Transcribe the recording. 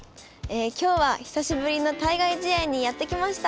今日は久しぶりの対外試合にやって来ました。